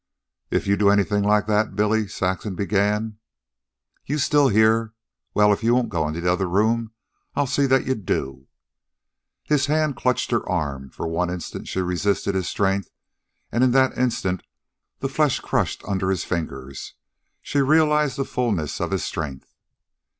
"If you do anything like that, Billy " Saxon began. "You here still? Well, if you won't go into the other room, I'll see that you do." His hand clutched her arm. For one instant she resisted his strength; and in that instant, the flesh crushed under his fingers, she realized the fullness of his strength.